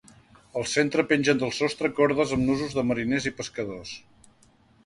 Al centre pengen del sostre cordes amb nusos de mariners i pescadors.